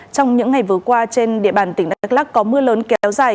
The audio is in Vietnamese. trong những ngày vừa qua trên địa bàn tỉnh đắk lắc có mưa lớn kéo dài